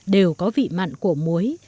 đều có vị mặn của muối